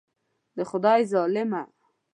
د خدای ظالمه.